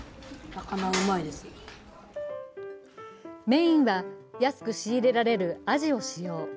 メーンは安く仕入れられるアジを使用。